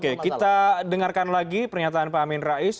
oke kita dengarkan lagi pernyataan pak amin rais